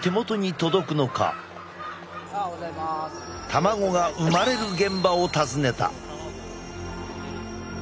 卵がうまれる現場を訪ねた。